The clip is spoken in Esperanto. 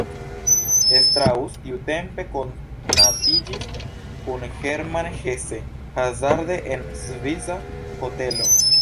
Strauss tiutempe konatiĝis kun Hermann Hesse hazarde en svisa hotelo.